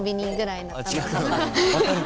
分かる。